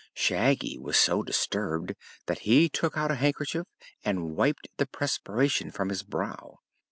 Shaggy was so disturbed that he took out a handkerchief and wiped the perspiration from his brow.